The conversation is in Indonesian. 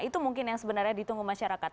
itu mungkin yang sebenarnya ditunggu masyarakat